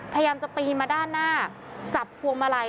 พยายามจะปีนมาด้านหน้าจับพวงมาลัย